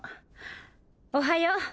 おはよう